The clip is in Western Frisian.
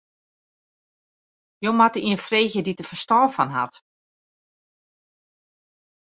Jo moatte ien freegje dy't dêr ferstân fan hat.